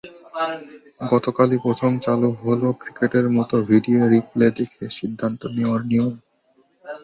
গতকালই প্রথম চালু হলো ক্রিকেটের মতো ভিডিও রিপ্লে দেখে সিদ্ধান্ত দেওয়ার নিয়ম।